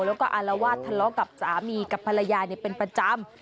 แล้วก็อารวาสทะเลาะกับสามีกับภรรยาเป็นประจำ